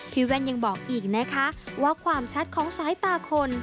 แว่นยังบอกอีกนะคะว่าความชัดของสายตาคน